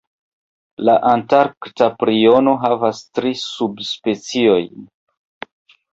La Antarkta priono havas tri subspeciojn.